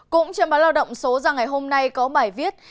cũng trên báo lao động số ra ngày hôm nay có bài viết